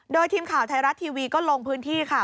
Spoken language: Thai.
โดยทีมข่าวไทยรัฐทีวีก็ลงพื้นที่ค่ะ